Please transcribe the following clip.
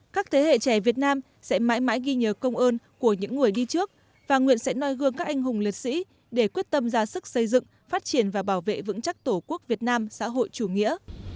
các thế hệ trẻ việt nam sẽ mãi mãi ghi nhớ công ơn của những người đi trước và nguyện sẽ noi gương các anh hùng liệt sĩ để quyết tâm ra sức xây dựng phát triển và bảo vệ vững chắc tổ quốc việt nam xã hội chủ nghĩa